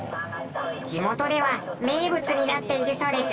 地元では名物になっているそうです。